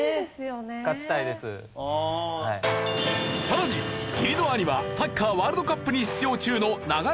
さらに義理の兄はサッカーワールドカップに出場中の長友選手。